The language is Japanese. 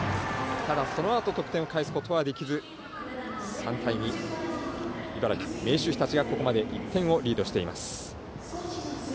ただ、そのあと得点返すことができず３対２、茨城、明秀日立がここまで１点をリードしています。